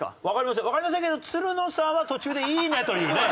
いやわかりませんけどつるのさんは途中で「いいね」というね。